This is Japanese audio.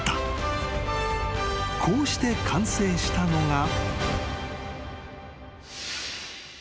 ［こうして完成したのが］